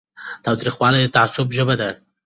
تاوتریخوالی د تعصب ژبه ده